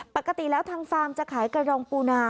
ปกติแล้วทางฟาร์มจะขายกระดองปูนา